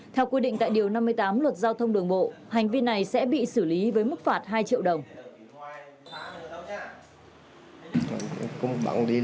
theo quy định tại điều năm mươi tám luật giao thông đường bộ hành vi này sẽ bị xử lý với mức phạt hai triệu đồng